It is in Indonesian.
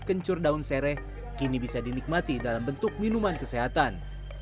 kencur daun sereh kini bisa dinikmati dalam bentuk minuman kesehatan